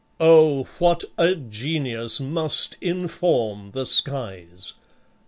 "O, what a genius must inform the skies!